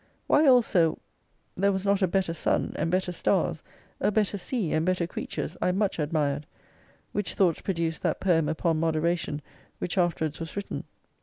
Why also there was not a better sun, and better stars, a better sea, and better creatures I much admired. "Which thoughts produced that poem upon moderation, which afterwards was written.